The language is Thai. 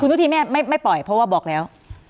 นุธีแม่ไม่ปล่อยเพราะว่าบอกแล้ว